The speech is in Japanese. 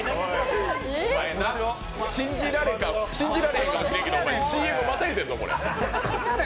信じられへんかもしれんけどＣＭまたいてんぞ。